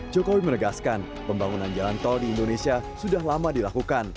jokowi menegaskan pembangunan jalan tol di indonesia sudah lama dilakukan